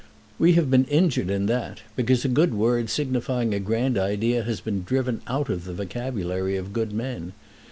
We have been injured in that, because a good word signifying a grand idea has been driven out of the vocabulary of good men.